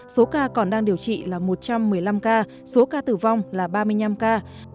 số ca còn đang điều trị là một trăm một mươi năm ca số ca tử vong là ba mươi năm ca